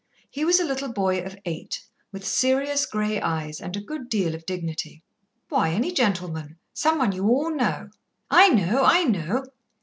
He was a little boy of eight, with serious grey eyes and a good deal of dignity. "Why, any gentleman. Some one you all know." "I know, I know."